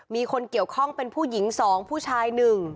มีคนเกี่ยวข้องเป็นผู้หญิง๒ผู้ชาย๑